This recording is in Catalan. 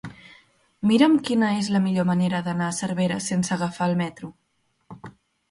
Mira'm quina és la millor manera d'anar a Cervera sense agafar el metro.